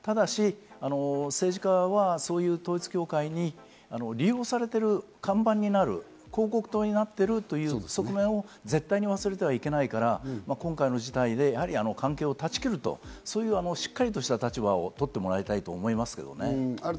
ただし、政治家はそういう統一教会に利用されている、看板になる、広告塔になっているという側面を絶対に忘れてはいけないから、今回の事態で関係を断ち切ると、しっとりとした立場をとってもらいたいと思いますけどね。